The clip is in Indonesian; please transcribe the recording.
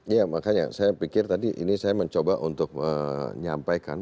iya makanya saya pikir tadi ini saya mencoba untuk menyampaikan